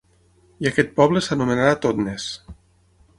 I aquest poble s'anomenarà Totnes.